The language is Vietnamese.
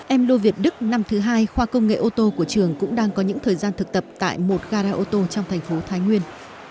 em lô việt đức năm thứ hai khoa công nghệ ô tô của trường cũng đang có những thời gian thực tập tại một gara ô tô trong thành phố thái nguyên